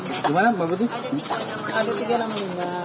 jadi aku bocor dikit jadi harus cari dua nama kakaknya linda